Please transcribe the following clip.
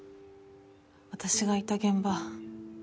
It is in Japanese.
私がいた現場